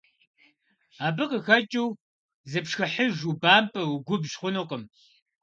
Абы къыхэкӀыу, зыпшхыхьыж, убампӀэ, угубжь хъунукъым.